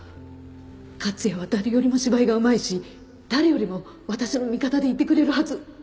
克也は誰よりも芝居がうまいし誰よりも私の味方でいてくれるはず。